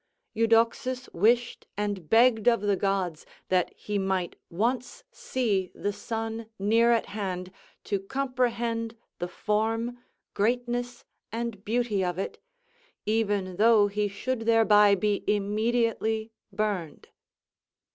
"Eudoxus wished and begged of the gods that he might once see the sun near at hand, to comprehend the form, greatness, and beauty of it; even though he should thereby be immediately burned."